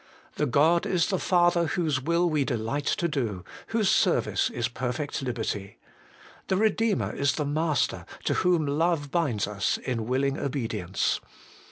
The God is the Father whose will we delight to do, whose ser vice is perfect liberty. The Eedeemer is the Master, to whom love binds us in willing obedience.